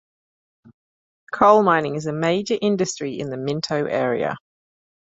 Coal mining is a major industry in the Minto area.